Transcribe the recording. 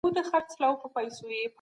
قصاص د یو فرد نه بلکې د ټولني حق دی.